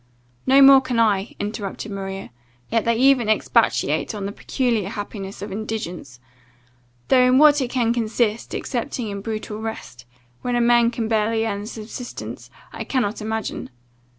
"No more can I," interrupted Maria, "yet they even expatiate on the peculiar happiness of indigence, though in what it can consist, excepting in brutal rest, when a man can barely earn a subsistence, I cannot imagine.